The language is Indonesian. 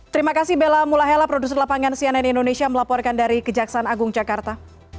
terima kasih bella mulahela produser lapangan cnn indonesia melaporkan dari kejaksaan agung jakarta